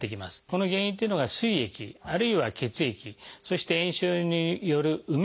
この原因っていうのがすい液あるいは血液そして炎症による膿ですね